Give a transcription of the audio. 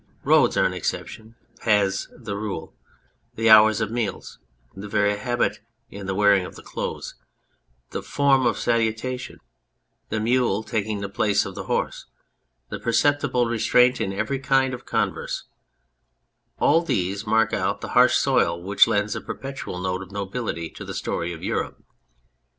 Roads are an exception, paths the rule ; the hours of meals, the very habit in the wearing of the clothes, the form of salutation, the mule taking the place of the horse, the perceptible restraint in every kind of con verse, all these mark out the harsh soil which lends a perpetual note of nobility to the story of Europe.